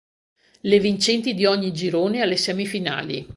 Le vincenti di ogni girone alle semifinali